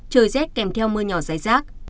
trời rét kèm theo mưa nhỏ dài rác